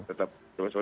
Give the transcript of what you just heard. ya tetap tetap